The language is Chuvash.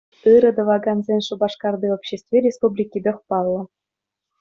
Ырӑ тӑвакансен Шупашкарти обществи республикипех паллӑ.